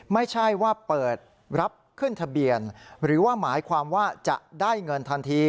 ไม่ใช่ว่าเปิดรับขึ้นทะเบียนหรือว่าหมายความว่าจะได้เงินทันที